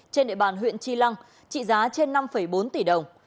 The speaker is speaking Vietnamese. trên địa bàn huyện tri lăng trị giá trên năm bốn tỷ đồng